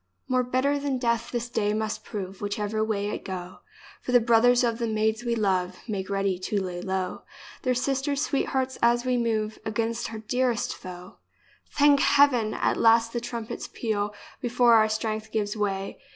More bitter than death this day must prove Whichever way it go, 156 Charles I For the brothers of the maids we love Make ready to lay low Their sisters' sweethearts, as we move Against our dearest foe. Thank Heaven ! At last the trumpets peal Before our strength gives way.